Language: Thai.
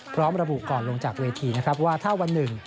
พร้อมระบุก่อนลงจากเวทีนะครับว่าถ้าวันหนึ่ง